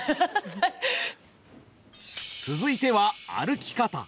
続いては歩き方。